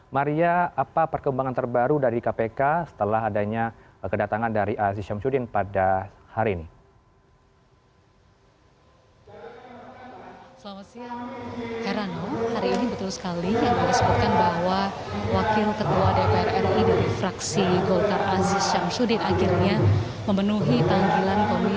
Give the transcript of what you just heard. maria apa perkembangan terbaru dari kpk setelah adanya kedatangan dari aziz syamsuddin pada hari ini